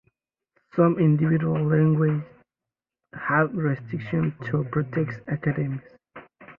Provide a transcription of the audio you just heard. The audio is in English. Some individual leagues have restrictions to protect academies.